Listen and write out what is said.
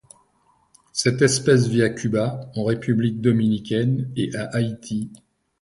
Cette espèce vit à Cuba, en République dominicaine et à Haïti.